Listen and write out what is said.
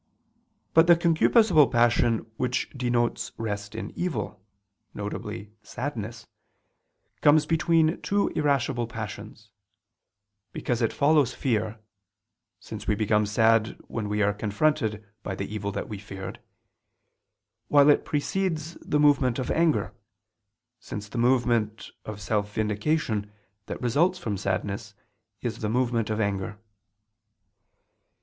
But the concupiscible passion which denotes rest in evil, viz. sadness, comes between two irascible passions: because it follows fear; since we become sad when we are confronted by the evil that we feared: while it precedes the movement of anger; since the movement of self vindication, that results from sadness, is the movement of anger.